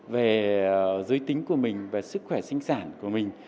về giới tính của mình về sức khỏe sinh sản của mình